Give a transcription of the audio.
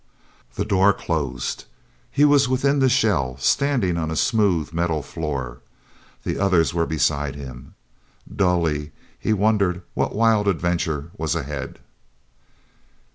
The door closed. He was within the shell, standing on a smooth metal floor. The others were beside him. Dully he wondered what wild adventure was ahead.